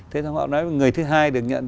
thế thông họ nói người thứ hai được nhận